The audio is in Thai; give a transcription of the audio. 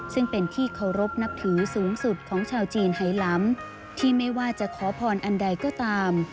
ซึ่งเป็นที่เคารพนับถือสูงสุดของชาวจีนไฮล้ำที่ไม่ว่าจะขอพรอันใดก็ตาม